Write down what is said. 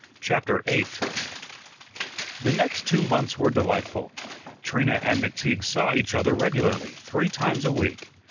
CHAPTER 8 The next two months were delightful. Trina and McTeague saw each other regularly, three times a week.